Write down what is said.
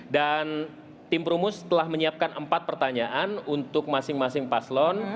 dan tim prumus telah menyiapkan empat pertanyaan untuk masing masing paslon